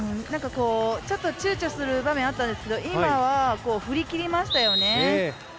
ちょっとちゅうちょする場面があったんですけど今は振り切りましたよね。